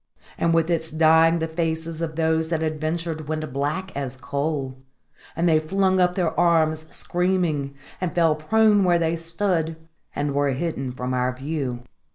And with its dying the faces of those that had ventured went black as coal; and they flung up their arms, screaming, and fell prone where they stood, and were hidden from our view.